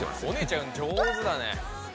お姉ちゃん上手だね。